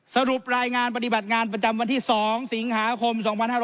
สรุปรายงานปฏิบัติงานประจำวันที่๒สิงหาคม๒๕๖๐